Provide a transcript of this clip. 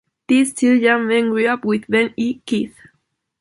These two young men grew up with Ben E. Keith.